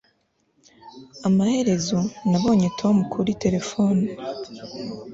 Amaherezo nabonye Tom kuri terefone